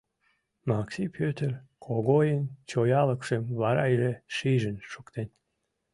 Макси Пӧтыр Когойын чоялыкшым вара иже шижын шуктен.